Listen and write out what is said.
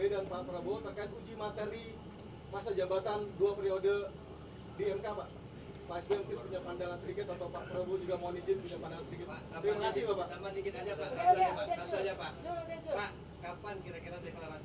dengan pak a